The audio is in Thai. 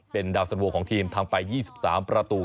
เป็นดาวสันโวของทีมทำไป๒๓ประตู